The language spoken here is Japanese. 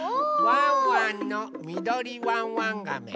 ワンワンのみどりワンワンガメ。